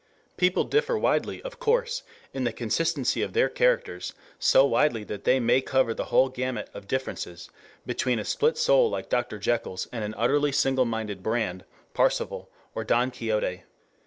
People differ widely, of course, in the consistency of their characters, so widely that they may cover the whole gamut of differences between a split soul like Dr. Jekyll's and an utterly singleminded Brand, Parsifal, or Don Quixote.